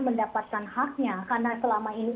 mendapatkan haknya karena selama ini